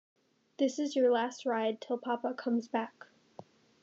This is your last ride, till papa comes back.